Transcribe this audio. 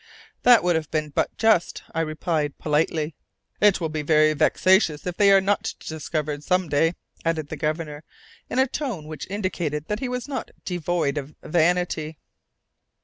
"That would have been but just," I replied politely. "It will be very vexatious if they are not discovered some day," added the Governor, in a tone which indicated that he was not devoid of vanity.